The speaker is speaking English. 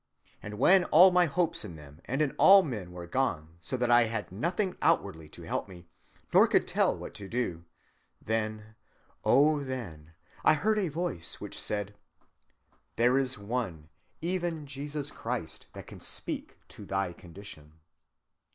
And when all my hopes in them and in all men were gone so that I had nothing outwardly to help me, nor could tell what to do; then, oh then, I heard a voice which said, 'There is one, even Jesus Christ, that can speak to thy condition.